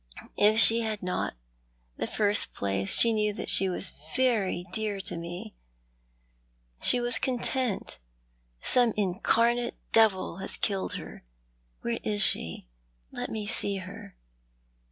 If she had not the first place she knew that she wa.s very dear to me — she was content. Some incarnate devil has killed her. Where is she ? Let mo see her."